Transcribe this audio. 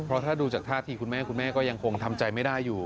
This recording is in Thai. เพราะถ้าดูจากท่าทีคุณแม่คุณแม่ก็ยังคงทำใจไม่ได้อยู่